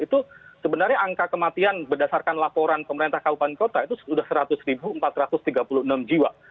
itu sebenarnya angka kematian berdasarkan laporan pemerintah kabupaten kota itu sudah seratus empat ratus tiga puluh enam jiwa